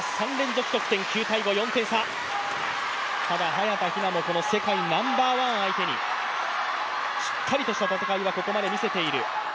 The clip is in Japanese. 早田ひなも世界ナンバーワン相手にしっかりとした戦いをここまで見せている。